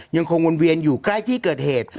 ยังคงวนเวียนอยู่ใกล้ที่เกิดเหตุ